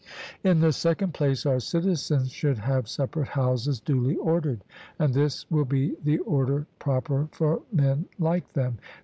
In the second place, our citizens should have separate houses duly ordered; and this will be the order proper for men like them.